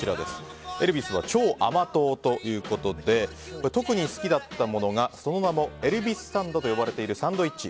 エルヴィスは超甘党ということで特に好きだったものがその名もエルヴィスサンドと呼ばれているサンドイッチ。